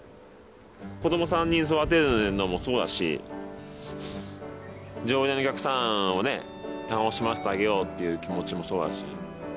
子ども３人育てるのもそうだし常連のお客さんをね楽しませてあげようっていう気持ちもそうだし。